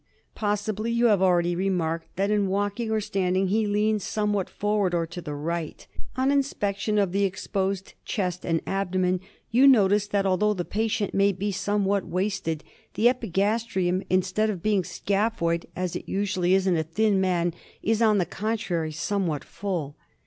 Possibly you have already remarked that in walking or standing he leans somewhat forward, or to the right. On inspection of the exposed chest and abdomen you notice that, although the patient may be somewhat wasted, the epigastrium, instead of being scaphoid, as it usually is 176 DIAGNOSIS OF in a thin man, is, on the contrary, somewhat full.